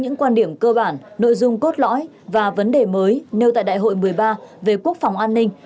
những quan điểm cơ bản nội dung cốt lõi và vấn đề mới nêu tại đại hội một mươi ba về quốc phòng an ninh